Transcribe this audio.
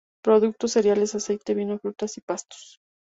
Productos: cereales, aceite, vino y frutas y pastos.